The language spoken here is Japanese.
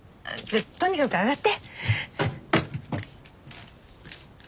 とにかく上がって。